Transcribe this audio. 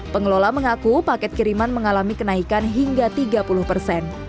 pengelola mengaku paket kiriman mengalami kenaikan hingga tiga puluh persen